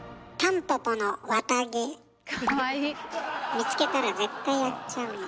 見つけたら絶対やっちゃうの。